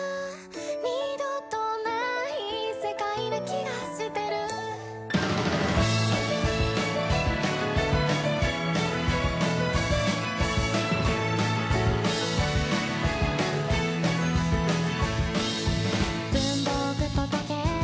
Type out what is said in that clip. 「二度とない世界な気がしてる」「文房具と時計